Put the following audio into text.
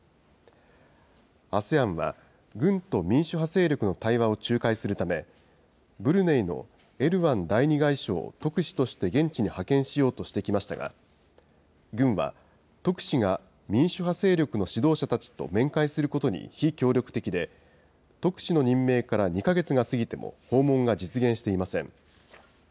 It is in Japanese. ＡＳＥＡＮは、軍と民主派勢力の対話を仲介するため、ブルネイのエルワン第２外相を特使として現地に派遣しようとしてきましたが、軍は、特使が民主派勢力の指導者たちと面会することに非協力的で、特使の任命から２か月が過ぎても、訪問が実現していません。